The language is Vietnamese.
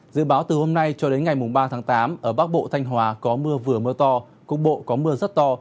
dự báo từ hôm nay cho đến ngày ba tháng tám ở bắc bộ thanh hòa có mưa vừa mưa to cục bộ có mưa rất to